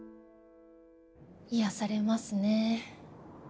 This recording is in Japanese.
癒やされますね。